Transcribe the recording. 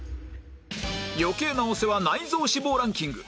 余計なお世話内臓脂肪ランキング